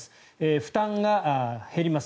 負担が減ります。